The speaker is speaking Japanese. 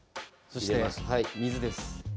そして水です